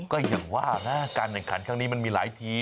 ก็อย่างว่านะการแข่งขันครั้งนี้มันมีหลายที